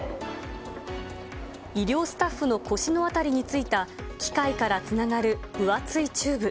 医療スタッフの腰の辺りについた機械からつながる分厚いチューブ。